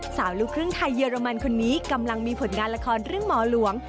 ลูกครึ่งไทยเยอรมันคนนี้กำลังมีผลงานละครเรื่องหมอหลวง